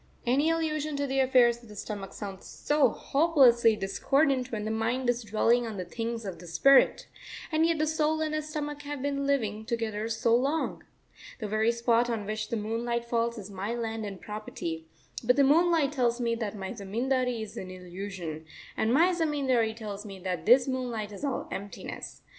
Any allusion to the affairs of the stomach sounds so hopelessly discordant when the mind is dwelling on the things of the spirit, and yet the soul and the stomach have been living together so long. The very spot on which the moonlight falls is my landed property, but the moonlight tells me that my zamindari is an illusion, and my zamindari tells me that this moonlight is all emptiness.